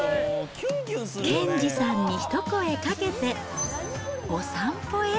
兼次さんに一声かけて、お散歩へ。